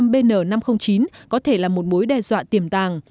hai nghìn một mươi năm bn năm trăm linh chín có thể là một mối đe dọa tiềm tàng